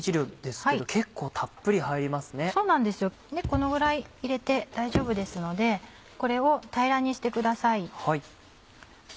このぐらい入れて大丈夫ですのでこれを平らにしてください。